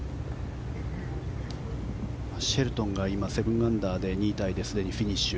シェルトンが７アンダーで２位タイでフィニッシュ。